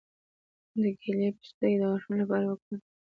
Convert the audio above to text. د کیلې پوستکی د غاښونو لپاره وکاروئ